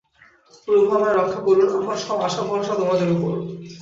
প্রভু আমায় রক্ষা করুন! আমার সব আশা-ভরসা তোমাদের উপর।